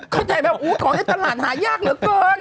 เข้าใจแบบของในตลาดหายากเหลือเกิน